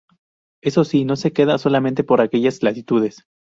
Eso sí, no se queda solamente por aquellas latitudes.